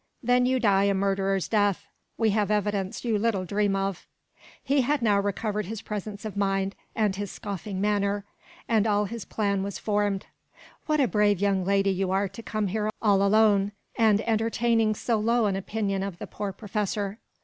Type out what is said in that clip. "Then you die a murderer's death. We have evidence you little dream of." He had now recovered his presence of mind, and his scoffing manner; and all his plan was formed. "What a brave young lady you are to come here all alone, and entertaining so low an opinion of the poor Professor."